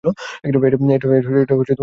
এটা ব্যক্তিগত কথা।